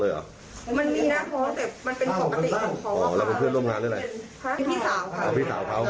สาวเทียบสาวหรืออะไรคะสามค่ะ